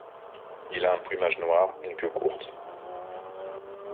Il a un plumage noir, une queue courte.